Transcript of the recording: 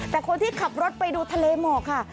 แต่คนที่ขับรถไปดูทะเลหมอกค่ะ